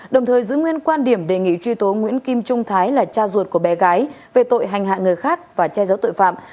đồng thời giữ nguyên quan điểm đề nghị truy tố nguyễn kim trung thái là cha ruột của bé gái về tội hành hạ người khác và che giấu tội phạm